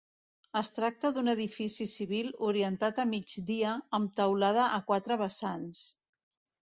Es tracta d'un edifici civil orientat a migdia amb teulada a quatre vessants.